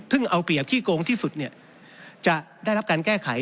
ซึ่งเอาเปรียบขี้โกงที่สุดจะได้รับการแก้ไข